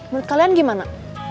menurut kalian gimana